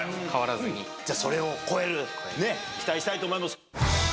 じゃあ、それを超える、期待したいと思います。